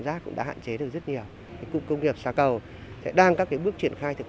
rác cũng đã hạn chế được rất nhiều cụng công nghiệp xã cầu đang các bước triển khai thực